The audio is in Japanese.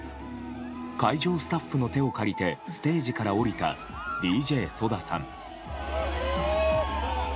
会場スタッフの手を借りてステージから降りたＤＪＳＯＤＡさん。